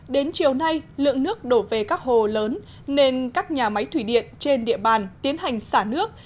đến chiều nay lượng nước đổ về các hồ lớn nên các nhà máy thủy điện trên địa bàn tiến hành xả nước